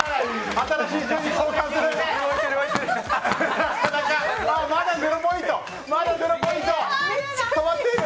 新しい銃に交換する。